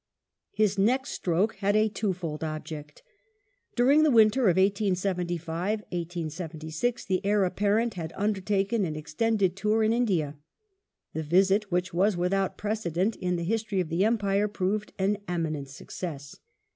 His next stroke had a twofold object. During the winter of The Royal 1875 1876 the Heir Apparent had undertaken an extended tour in '^^^^^^^^^^ India. The visit, which was without precedent in the history of the Empire, proved an eminent success.